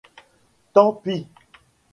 Tant pis!